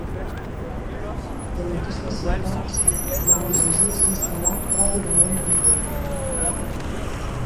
En aquestes ciutats, la burgesia s'instal·là ràpidament en el poder.